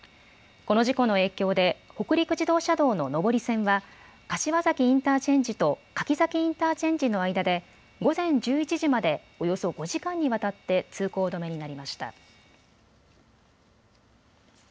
この事故の影響で北陸自動車道の上り線は柏崎インターチェンジと柿崎インターチェンジの間で午前１１時までおよそ５時間にわたって通行止めになりました。